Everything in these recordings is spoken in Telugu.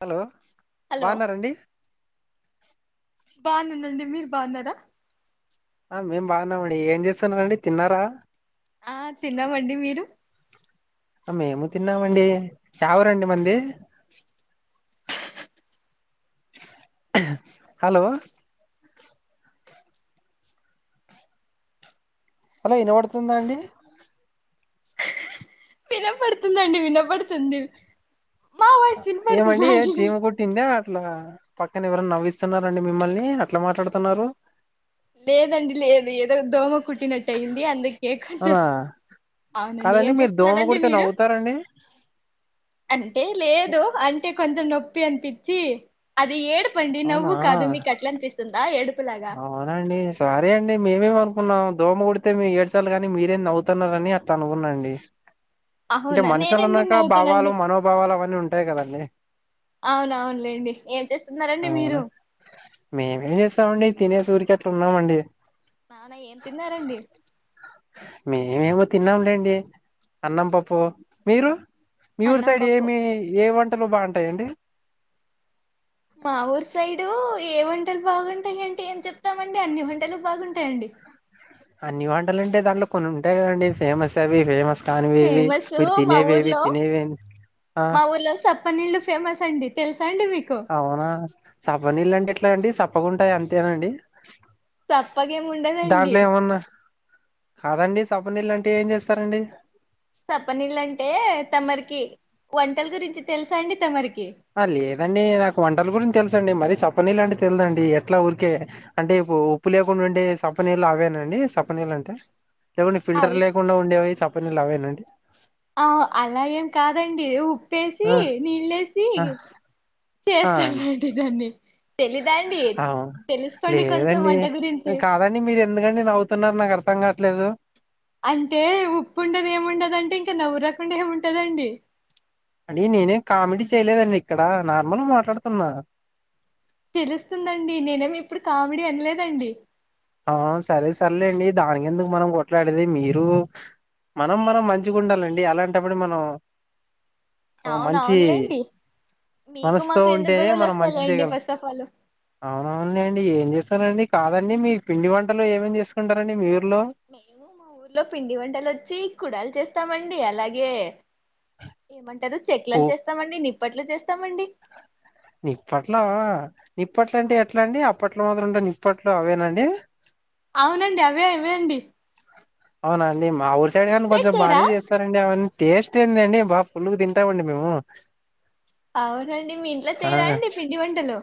హలో హలో బాగున్నారండి బాగున్నానండి మీరు బాగున్నారా ఆ మేం బాగున్నామండి ఏం చేస్తున్నరండి తిన్నారా ఆ తిన్నామండి మీరు మేము తిన్నామండి యా ఊరండి మంది హలో హలో ఇనపడుతుందా అండి ఇనపడుతుందండి వినపడుతుంది మా వాయిస్ వినపడుతుందా ఏమండి అండి జీమ మీకు కుట్టింద అట్లా పక్క పక్కన ఎవరన్నా నవ్విస్తున్నారండి మిమ్మల్ని అట్లా మాట్లాడుతున్నారు లేదండి లేదు ఏదో దోమ కుట్టినట్టు అయింది అందుకే కొంచం అవునా అవునండి ఏం కాదండి మీరు దోమ చేస్తున్నరండి కుడితే మీరు నవ్వుతారండి అంటే లేదు అంటే కొంచెం నొప్పి ప్పి అనిపించి అది ఏడుపండి అవునా నవ్వు కాదు మీకు అట్లా అనిపిస్తుందా ఏడు అవునండి సారీ అండి మేమేమనుకున్నాం దోమ కుడితే మ ఏడ్చలు కాని మీరేం నవవుతున్నార అని అట్లా అనుకున్నాండి అంటే అవునా నేను ఎందుకు మనుషులున్నాక నవ్వుతానండి భావాలు మనోభావాలు అవన్నీ ఉంటాయి కదండి అవున అవునులేండి ఏం చేస్తున్నారండి మీరు అవునా మేమేం చేస్తామండి తినేసి ఊరికి అట్లా ఉన్నామండి నానా ఏం తిన్నారండి మేమేమో తిన్నాంలేండి అన్నం పప్పు మీరు మీ ఊరు అన్నం సైడ్ పప్పు ఏమి ఏమంట బాగుంటాయండి మా ఊరు సైడు ఏ వంటలు బాగుంటాయింటే ఏం చెప్తామండి అన్ని వంటలు బాగుంటాయండి అన్ని వంటలు అంటే దాంట్లో కొన్ని ఉంటాయి కదండి ఫేమస్ అవి ఫేమస్ తాను వేవి ఫేమస్ మీరు మా తినేవేవి ఊర్లో తినేవేవి ఆ మా ఊర్లో సప్పనీళ్ళు ఫేమస్ అండి తెలుసా అండి మీకు అవునా సప్ప నీళ్ళ అంటే ఎట్లా అండి సప్పగాంటాయి అంతేనండి తప్పకేం ఉండదండి దాంట్లో ఏమన్నా కాదండి సప్పనీళ్లంటే ఏం చేస్తారండి సప్పనీళ్ళ అంటే తమరికి వంటల గురించి తెలుసా అండి తమరికి ఆ లేదండి నాకు వంటల గురించి తెలుసు అండి మరి సప్పనీళ్లు అంటే తెలిదండి ఎట్లా ఊరికే అంటే ఇప్పు ఉప్పు లేకుండా ఉండే సప్పనీళ్ళు అవేనండి సపని నీళ్లంటే లేకుంటె ఫిల్టర్ అవి లేకుండా ఉండేవి చప్పనీలు అవేనాండి ప్పేసి ఆ నీళ్ళసి ఆ చేస్తారండి దాన్ని తెలీదా అండి అవు తెలుసుకోండి కొంచెం లేదండి వంట గురించి కాదండి మీరు ఎందుకండి నవ్వుతున్నారు నాకు అర్థంగా ట్లేదు అంటే ఉప్పు ఉండదేముండదంటే ఇంకా నవ్వు రాకుండా ఏముంటదండి అండి నేనేం కామెడీ చేయలేదండి ఇక్కడ నార్మల్ మాట్లాడుతున్నా తెలుస్తుందండి నేనేమి ఇప్పుడు కామిడి అనలేదండి ఆ సరే సర్లేండి దానికి ఎందుకు మనం కొట్లాడేది మీరు మనం మనం మంచిగా ఉండాలండి అలాంటప్పుడు మనం ఓ అవున మంచి అవును లేండి మనసుతో ఉంటేనే మనం మంచి చేయగలం ఫస్ట్ ఆఫ్ ఆల్ అవునవు లేండి ఏం చేస్తారండి కాదండి మీ పిండి వంటలు ఏమేమి చేసుకుంటారండి మీరు మేము మా ఊర్లో పిండి వంటలు వచ్చి కుడాలు చేస్తామండి అలాగే ఏమంటారు చెట్లలు చేస్తామండి నిప్పట్లు చేస్తాం నిప్పట్ల నిప్పట్ల అంటే ఎట్లా అండి అప్పట్లో మా [unintelligible] అప్పట్లో అవేనండి అవునండి అవే ఇవే అండి అవున అండి మా ఊరు సైడ్ మీ కానీ కొంచెం చేయరా బాగానే చేస్తారండి అవన్నీ టేస్ట్ ఏందండి బాగా పులుగు తింటామండి మేము అవునండి మీ ఇంట్లో ఆ చేయరా అండి పిండి వంటలు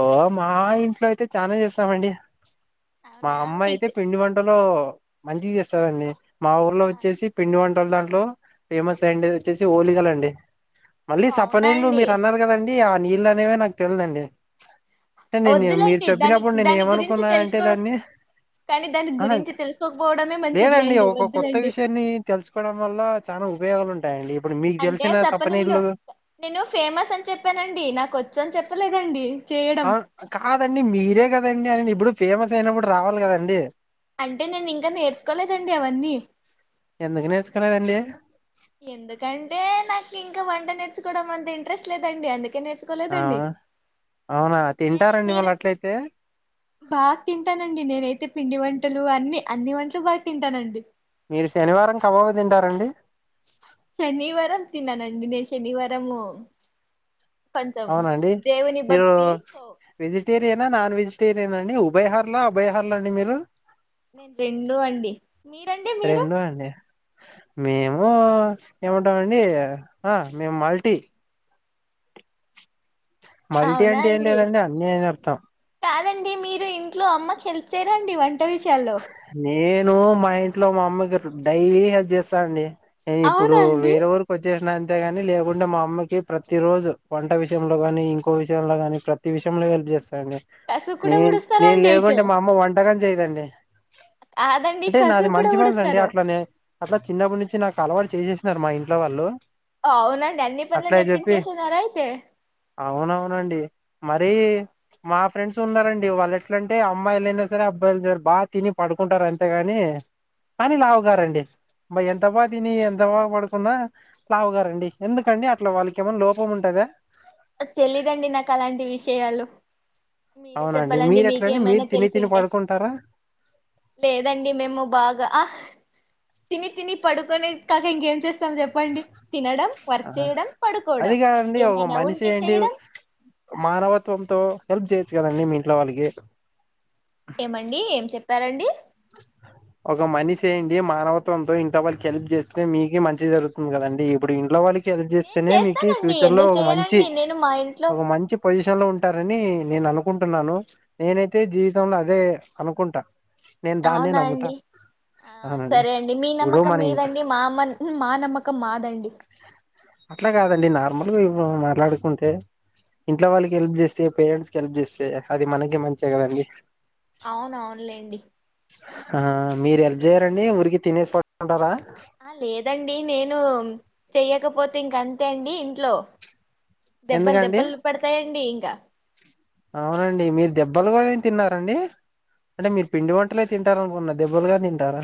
ఓ మా ఇం లో అయితే చానా చేస్తామండి మా అవునా అమ్మాయి అయితే మీకు పిండి వంటలు మంచి చేస్తదండి మా ఊర్లో ఆ, వచ్చేసి పిండి వంటలు దాన్ లో ఫేమస్ అండి వచ్చేసి హోలీగాల అండి ఓ మళ్ళీ అవునా సప్పనీళ్లు అండి మీరు అన్నారు కదండి ఆ నీళ్ళు అనేవ నాకు తెలిదండి అంటే నేను మీరు వద్దులేండి దాని చెప్పినప్పుడు నేను దాని గురించి ఏమనుకున్నా అంటే తెలుసుకో దాన్ని కానీ దాని ఆహా గురించి తెలుసుకోకపోవడం లేదండి ఒక కొత్త విషయాన్ని తెలుసుకోవడం వల్ల చాలా ఉపయోగాలుంటాయండి అంటే సప్పనీళ్లు నేను ఫేమస్ అని చెప్పానండి నాక వచ్చ అని చెప్పలేదండి చేయడం అవును కాదండి మీరే కదండి అయన ఇప్పుడు ఫేమస్ అయినప్పుడు రావాలి కదండి అంటే నేను ఇంకా నేర్చుకోలేదండి అవన్నీ ఎందుకు నేర్చుకోలేదండి ఎందుకంటే నాకు ఇంకా వంట నేర్చుకోవడం అంత ఇంట్రెస్ట్ లేదండి అందుక కె ఆ నేర్చుకోలేదండి అవునా తింటారండి మళ్ళ మీరు అట్లయితే బాగా తింటానండి నేనైతే పిండి వం ట్టలు అన్ని అన్ని వంటలు బాగా తింటానండి మీరు శనివారం కబబ్ తింటారండి శనివారంం తిననండి నే శనివారము కొంచెం అవునండి దేవుని మీరు భక్తి సో వెజిటేరియనా నాన్ వెజిటేరియన్ అండి ఉభయ హార్ల అభయ హార్ల అండి మీరు నేను రెండు అండి మీరండి మీరు రెండు అండి మేము ఏమంటామండి ఆ మేము మల్టీ మల్టీ అవునా అంట ఏం అండి లేదండి అన్నీ అని అర్థం కాదండి మీరు ఇంట్లో అమ్మకి హెల్ప్ చేయరండి వంట విషయాల్లో నేను మా ఇంట్లో మా అమ్మకి డైలీ హెల్ప్ చేస్తానండి ఇగ ఇప్పుడు అవునండి వేరే ఊరికి వచ్చేసిన అండీ అంతే గాని లేకుంటే మా అమ్మకి ప్రతి రోజు వంట విషయంలో గాని ఇంకో విషయంలోగాని ప్రతి విషయంలో హెల్ప్ చేస్తా అండి కసువు కూడా నేను ఊడుస్తారా నేను అండి అయితే లేకుంటే మా అమ్మ వంటకాం చేయదండి కాదండి అంటే నాది కసువు కూడా మంచి మనసు అండి ఊడుస్తారు అట్ల నే అట్లా చిన్నప్పటి నుంచి నాకు అలవరిచ తీసేసినన్నారు మా ఇంట్లో వాళ్ళు అవునండి అన్ని పనులు అట్లా చెప్పి నేర్పించేసన్నారా అయితే అవునవునండి మరి మా ఫ్రెడ్స్ ఉన్నారండి వాళ్ ఎట్ల అంటే అమ్మాయిలు ఐనా సరే అబ్బాయిలు ఐనా సరే బా తిని పడుకుంటారు అంతేగాని కానీ లావుగారండి బ ఎంత బాగా తిని ఎంత బాగా పడుకున్నా లావుగారండి ఎందుకండి అట్లా వాళ్ళకి ఏమనా లోపం ఉంటదా చేయాలో మీరే అవునండి చెప్పాలండి మీరు ఎట్లా అండి మీకేమైనా మీరు తిని తెలిసు తిని ఉంటే పడుకుంటారా లేదండి మేము బాగా ఆహ్హ్ తిని తిని పడుకొనేది కాక ఇంకేం చేస్త స్తాం చెప్పండి తినడం వర్క్ ఆహా, చేయడం పడుకోవడం అది కాదండి ఒక ఏమైనా మనిషి ఉంటే ఏంటి చేయడం మానవత్వంతో హెల్ప్ చేయొచ్చు కదండి మీ ఇంట్లో వాళ్ళకి ఏమండి ఏం చెప్పారండి ఒక మనిషి అయ్యుండి మానవత్వంతో ఇంట్లో వాళ్ళకి హెల్ప్ చేస్తే మీకె మంచి జరుగుతుంది కదండి ఇప్పుడు ఇంట్లో వాళ్ళకి హెల్ప్ నేను చేస్తేనే మీకు చేస్తానండి ఫ్యూచర్ లో ఎందుకు ఒక మంచి చెయనండి నేను మా ఇంట్లో ఒక మంచి పొజిషన్ లో ఉంటారని నేననుకుంటున్నాను నేనైతే జీవితంలో అదే అనుకుంటా నేన్ దాన్నే అవునా నమ్ముతా అండి ఆ అవునండి సరే అండి మీ ఇప్పుడు నమ్మకం మన ఇన్ మీదండి మా మ మా నమ్మకం మాదండి అట్ల కాదండి నార్మల్గా ఇప్పు మాట్లాడుకుంటే ఇంట్లో వాళ్ళకి హెల్ప్ చేస్తే పేరెంట్స్ కి హెల్ప్ చేస్తే అది మనకే మంచిగ కదండి అవునవునులేండి ఆ మీరు హెల్ప్ చెయ్యారండి ఊరికె తినేసి పడుకుంటారా ఆ లేదండి నేను చెయ్యకపోతే ఇంక అంతే అండి ఇంట్లో దెబ్బల్ ఎందుకండి దెబ్బలు పడతాయండి ఇంకా అవునండి మీరు దెబ్బలు కూడా తిన్నారండి అంటే మీరు పిండి వంటలే తింటారనుకున్న దెబ్బలు గాని తింటారా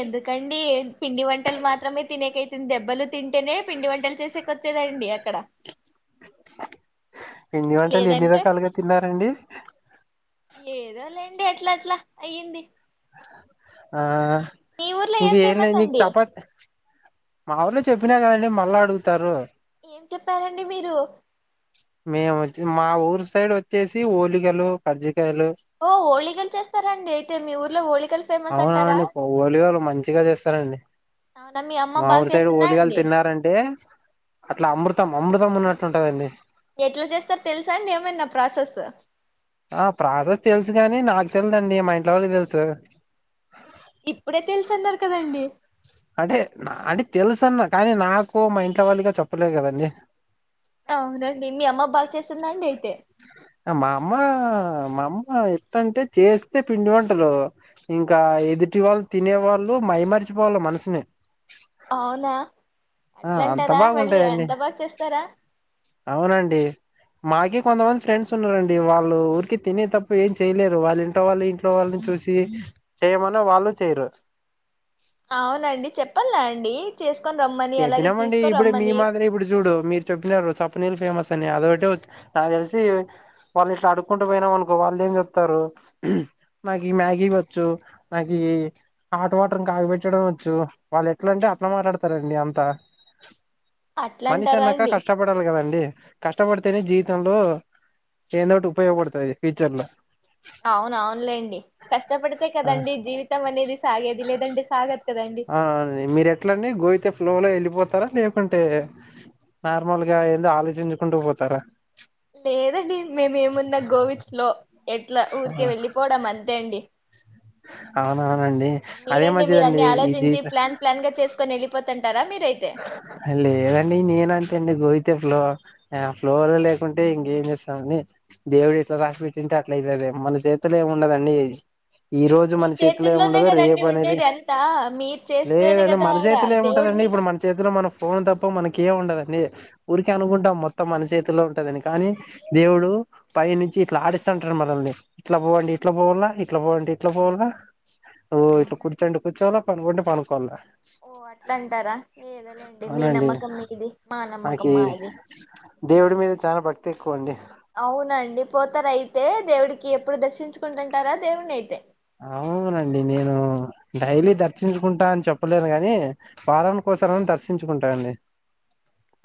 ఎందుకండి పిండి వంటలు మాత్రమే తినేకైంది దెబ్బలు తింటేనే పిండి వంటలు చేసేకొచ్చె ఉంటుందండి అక్కడ పిండి వంటలు ఎన్ని లేదంటే రకాలుగా తిన్నారండి ఏదో లేండి అట్ల అట్ల అయ్యింది ఆ మీ ఊర్లో ఇంక ఏం ఫేమస్ ఏందండి మీకు అండి చపాతి మా ఊర్లో చెప్పినా కదండి మళ్ళా అడుగుతారు ఏం చెప్పారండి మీరు మేము వచ్చి మా ఊరు సైడ్ వచ్చేసి ఓలిగలు కజ్జికాయలు ఓ ఓళికలు చేస్తారండి అయితే మీ ఊర్లో ఓళికలు ఫేమస్ అంటారా అవునవునండి ఓలిగలు మంచిగా చేస్తారంండి అవునా మీ అమ్మ మా బాగా ఊరి సైడ్ చేస్తుందా ఓలిగలు అండి తిన్నారంటే అట్ల అమృత్ తం అమృతం ఉన్నట్లుంటదండి ఎట్ల చేస్తారు తెలుసా అండి ఏమన్న ప్రాసెస్ ఆ ప్రాసెస్ తెలుసు కాని నాకు తెలిదండి మా ఇంట్లో వాళ్ళకి తెలుసు ఇప్పుడే తెలుసన్నారు కదండి అంటే అంటే తెలుసన్న కానీ నాకు మా ఇంట్లో వాళ్ళగా చెప్పలేదు కదండి అవునండి మీ అమ్మ బాగా చేస్తుందండి అయితే మా అమ్మ మా అమ్మ ఎట్టన్టే చేస్తే పిండి వంటలు ఇంకా ఎదుటి వాళ్ళు తినే వాళ్ళు మైమర్చిపోవాల మనసుని అవునా ఆ అంత అట్లంటారా మళ్ళీ బాగుంటాయండి అంత బాగా చేస్తారా అవునండి మా మాకి కొంతమంది ఫ్రెండ్స్ ఉన్నారండి వాళ్ళు ఊరికి తినే తప్ప ఏం చేయలేరు వాళ్ళింట్లో వాళ్ళు ఇంట్లో వాళ్ళు చూసి చెయ్యమన్న వాళ్ళు చెయ్యరు అవునండి చెప్పాల అండి చేస్త చెప్పినామండి ఇప్పుడె మీ మాదిరే ఇప్పుడు చూడు మీరు చెప్పినారు సప్పనీళ్ ఫేమస్ ని అదోటె వచ్చు నాకు తెలిసి వాళ్ళు ఇట్లా అడుకుంటూ పోయినాం అనుకో వాళ్ళు ఏం చెప్తారు నాకి మ్యాగీ వచ్చు నాకీ హాట్ వాటర్ని కాకబెట్టడం వచ్చు వాల్లెట్లంటే అట్ల మాట్లాడతారండి అంతా అట్లా అంటారా మనిషన్నాక అండి కష్టపడాలి కదండి కష్టపడితేనే జీవితంలో ఏందోటి ఉపయోగపడుతుంది ఫ్యూచర్ లో అవునవునులేండి కష్టపడితే కదండి జీవితం అనేది సాగేది లేదండి సాగదు కదండి హా అండి మీరెట్లండి గోవితే ఫ్లో లో ఎళ్ళిపోతారా లేకుంటే నార్మల్ గా ఏందో ఆలోచించుకుంటూ పోతారా లేదండి మేమేమున్నా గో విత్ ఫ్లో ఎట్లా ఊరికే వెళ్ళిపోవడం అంతే అండి అవునవునండి అదే మీరండి మీరు మంచిదండి అన్ని ఈ ఆలోచించి జీత ప్లాన్ ప్లాన్ గా చేసుకొని వెళ్ళిపోతుంటారా మీరైతే లేదండి నేనంతే అండి గోవితే ఫ్లో ఫ్లోలో అవునా లేకుంటే ఇం ఏం చేస్తామండి దేవుడు ఇట్లా రాసి పెట్టింటే అట్ల అయితుద మన చేతులో ఏమి ఉండదండి ఈ రోజు మీ మన చేతిలో చేతుల్లోనే ఏమిండదు కదండి రేపు అనేది ఉండేది అంతా మీరు చేస్తేనే లేదండి కదా మన ఆడ చేతిలో ఏముంటదు దేవుడి మీద మన చేతిలో మన ఫోన్ తప్ప మనక ఏ ఉండదండి ఊరికే అనుకుంటా మొత్తం మన చేతిలో ఉంటదని కానీ దేవుడు పై నుంచి ఇట్లా ఆడిస్తుంటారు మనల్ని ఇట్లా పోవండి ఇట్లా పోవాల ఇట్లా పోవండి ఇట్లా పోవాల ఓ ఇట్లా అవునండి కూర్చోండి కూర్చోవలో పనుకోండి పనుకోవాల ఏదో లేండి మీ అవునండి నమ్మకం ఇది మా నాకి నమ్మకమా అది దేవుడి మీద భక్తి ఎక్కువ అండి అవునండి పోతారు అయితే దేవుడికి ఎప్పుడు దర్శించుకుంటుంటారా దేవుడిని అయితే అవునండి నేను డైలీ దర్శించుకుంటా అని చెప్పలేను కానీ ఒసారిం దర్శించుకుంటాారండి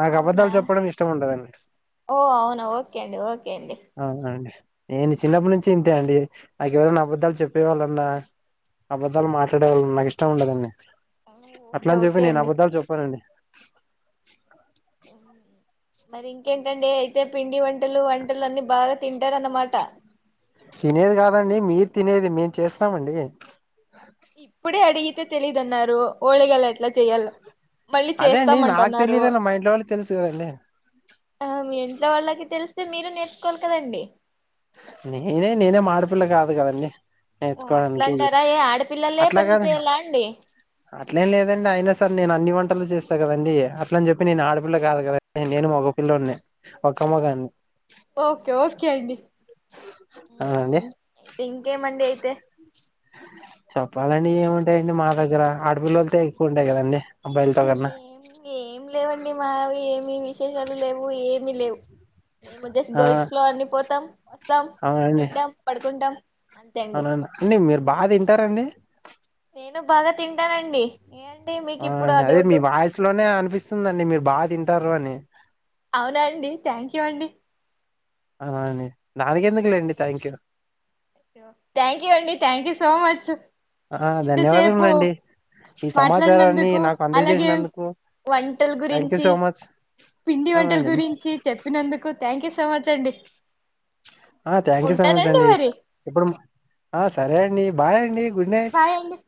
నాకు అవునా అబధాలు చెప్పడం ఇష్టం ఉండదండి ఓ అవునా ఓకే అండి ఓకే అండి అవునండి నేను ఉమ్, చిన్నప్పటి నుంచి అే అండి నాకు ఎవరైనా అబద్ధాలు చెప్పేవాళ్ళన్నా అబద్ధాలు మాట్లాడే వాళ్ళన్నా నాకు ఇష్టం ఉండదండి అట్ల ఓకే అని ఓకే చెప్పి నేను అండి అబధాలు చెప్పానండి అవు మరి ఇంకేంటండి అయితే పిండి వంటలు వంటలు అన్నీ బాగా తింటారన్నమాట తినేది కాదండి మీరు తినేది మేము చేస్తామండి ఇప్పుడే అడిగితే తెలీదున్నారు ఓలేేగాల ఎట్లా చెయాల అదే అండి నాకు తెలియదున్న మా ఇంట్లో వాళ్ళ తెలుసు కదండి ఆ మీ ఇంట్లో వాళ్ళకి తెలిస్తే మీరు నేర్చుకోవాలి కదండి నేనే నేనే మాడిపిల్ల కాదు కదండీ ఓ అట్లా నేర్చుకోడానినికి అంటారా ఏ ఆడపిల్లలే అట్లా పనులు కదా చేయాలా అండి అట్లేం లేదండి అయినా సర నేను అన్ని వంట పట్టలు చేస్తా కదండడి అట్ల అని చెప్పి నేను ఆడపిల్ల కాదు కదా నేను మగపిిల్ల ఉన్నా ఒక్కమ్మగాని ఓకే ఓకే అండి అవునండి అయితే ఇంకే మండడి అయితే చెప్పాలండి ఏముంటాయండి మా దగ్గర ఆడపిల్లలతో ఎక్కువ ఉంటాయి కదండి అబ్బాయిలతో కన్నా ఏం ఏం లేవండి మా ఏం మీ విశేషాలు లేవు ఏమిీ లేవు మేము జస్ట్ ఆ గోవిత్ ఫ్లో అన్ని పోతాం ద్దాం తింటాం పడుకుంటాం అంతే అండి అవుననా అండి మీరు బాగా తింటారంండి నేను బాగా తింటానండి ఏ అండి మీకు ఇప్పుడు ఆ అదే మీ డౌట్ వాయిసు లోనే అనిపిస్తుందిండి మీరు బాగా తింటారు అని అవునాండి థ్యాంక్ యూ అండి అ దానికి ఎందుకులేండి థ్యాంక్ యూ థ్యాంక్ యూ అండి థ్యాంక్ యూ సో మచ్ ఆ ఇంతసేపు ధన్యవాదములండి ఈ సమాచారాన్ని మాట్లాడినందుకు నాకు అలాగే అందజేసినందుకు వంటలు థ్యాంక్ యూ గురించి సో మచ్ పిండి వంటల అవునండి గురించి చెప్పినందుకు థ్యాంక్ యూ సమచండి ఆ థ్యాంక్ యూ సో మచ్ అండి ఇప్పుడు ఆ సరే అండి బాయ్ అండి గుడ్ నైట్ బాయ్ అండి